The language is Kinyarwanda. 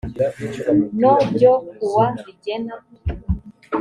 no ryo kuwa rigena